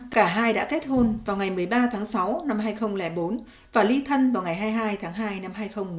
cả hai đã kết hôn vào ngày một mươi ba tháng sáu năm hai nghìn bốn và ly thân vào ngày hai mươi hai tháng hai năm hai nghìn một mươi